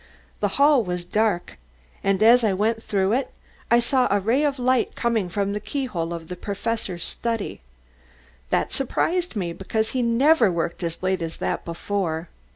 The hall was dark, and as I went through it I saw a ray of light coming from the keyhole of the Professor's study. That surprised me, because he never worked as late as that before.